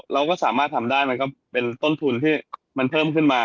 เราก็สามารถทำได้มันก็เป็นต้นทุนที่มันเพิ่มขึ้นมา